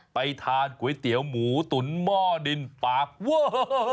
ไปทานก๋วยเตี๋ยวหมูตุ๋นหม้อดินปากเวอร์